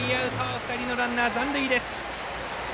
２人のランナー、残塁です。